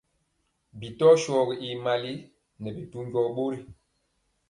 Bi tɔɔ shɔgi y mali, nɛ bidu ndɔɔ bori.